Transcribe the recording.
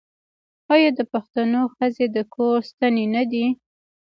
آیا د پښتنو ښځې د کور ستنې نه دي؟